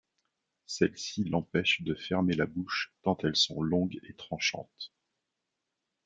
Celles-ci l'empêchent de fermer la bouche, tant elles sont longues et tranchantes.